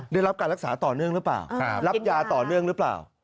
ได้รับการรักษาต่อเนื่องหรือเปล่ารับยาต่อเนื่องหรือเปล่า